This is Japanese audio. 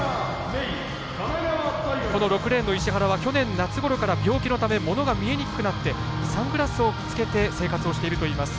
６レーンの石原は去年、夏ごろから病気のためものが見えにくくなってサングラスをつけて生活をしているといいます。